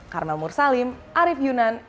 karma mursalim arief yunan